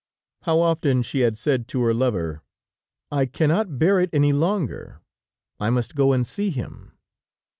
How often she had said to her lover: "I cannot bear it any longer; I must go and see him."